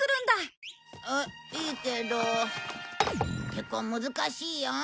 結構難しいよ？